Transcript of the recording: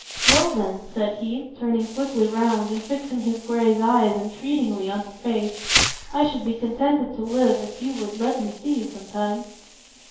"Well, then," said he, turning quickly round and fixing his gray eyes entreatingly on her face, "I should be contented to live, if you would let me see you sometimes."